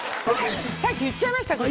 さっき言っちゃいましたけど。